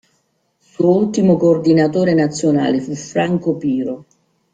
Suo ultimo coordinatore nazionale fu Franco Piro.